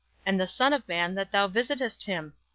And the son of man that thou visitest him?